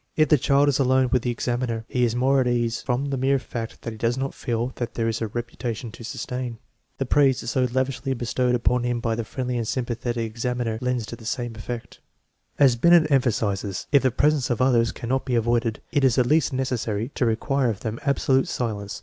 If the child is alone *with the examiner, he is more at ease from the mere fact that he does not feel that there is a reputation to sustain. The praise so lavishly bestowed upon him by the friendly and sympathetic ex aminer lends to the same effect. As Binet emphasizes, if the presence of others cannot be avoided, it is at least necessary to require of them absolute silence.